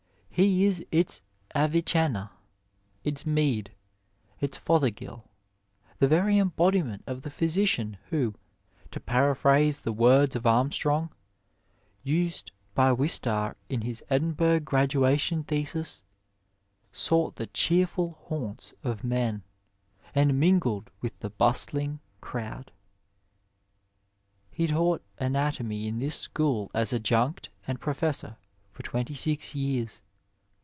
He is its Avioenna, its Mead, its Fothergill, the very embodiment of the physician who, to paraphrase the words of Armstrong, used by Wistar in his Edinburgh Graduation Thesis, '^ Sought the cheerful haunts of men, and mingled with the bustling crowd." He taught anatomy in this school as adjunct and professor for twenty six years.